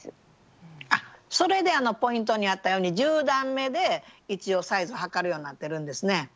あっそれでポイントにあったように１０段めで一応サイズを測るようになってるんですね。